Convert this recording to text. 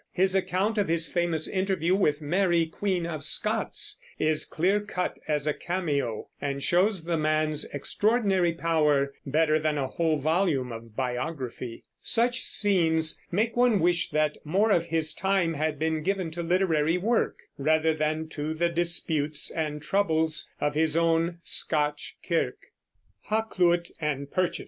His account of his famous interview with Mary Queen of Scots is clear cut as a cameo, and shows the man's extraordinary power better than a whole volume of biography. Such scenes make one wish that more of his time had been given to literary work, rather than to the disputes and troubles of his own Scotch kirk. HAKLUYT AND PURCHAS.